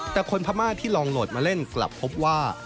แต่คนพม่าที่ลองโหลดมาเล่นกลับพบว่า